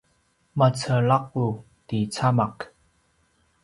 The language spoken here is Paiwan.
macelaqut ti camak